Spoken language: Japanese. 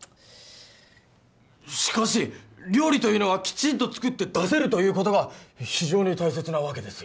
しかし料理というのはきちんと作って出せるということが非常に大切なわけですよ